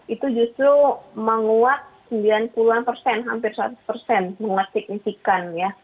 itu justru menguat sembilan puluh an persen hampir seratus persen menguat signifikan ya